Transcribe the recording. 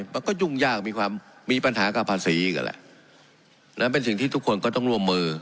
มันก็ยุ่งยากมีความมีปัญหากับภาษีอีกนั่นแหละนั้นเป็นสิ่งที่ทุกคนก็ต้องร่วมมือ